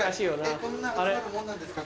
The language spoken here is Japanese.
こんな集まるもんなんですか？